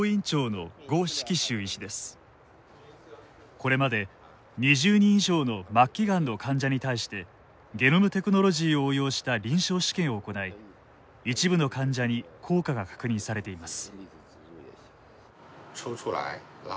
これまで２０人以上の末期がんの患者に対してゲノムテクノロジーを応用した臨床試験を行い一部の患者に効果が確認されています。